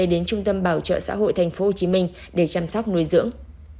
đến trung tâm bảo trợ xã hội tp hcm để chăm sóc nuôi dưỡng